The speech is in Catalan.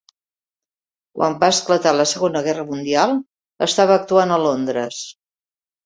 Quan va esclatar la segona Guerra Mundial, estava actuant a Londres.